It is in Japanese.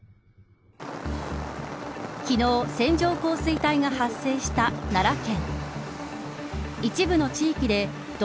昨日、線状降水帯が発生した奈良県。